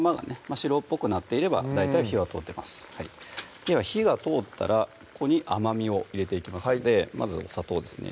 白っぽくなっていれば大体火は通ってますでは火が通ったらここに甘みを入れていきますのでまずお砂糖ですね